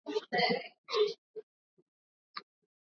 mawimbi ya sauti yanasafiri kwa sumaku umeme